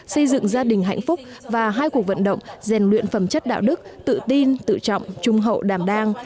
xây dựng gia đình hạnh phúc và hai cuộc vận động rèn luyện phẩm chất đạo đức tự tin tự trọng trung hậu đảm đang